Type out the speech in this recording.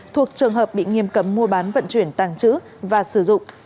thuộc trường hợp bị nghiêm cấm mua bán vận chuyển tàng trữ và sử dụng